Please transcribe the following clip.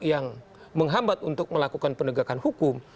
yang menghambat untuk melakukan penegakan hukum